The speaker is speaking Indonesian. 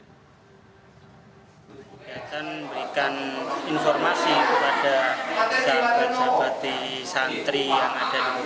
kita akan memberikan informasi kepada sahabat sahabat santri yang ada di bawaslu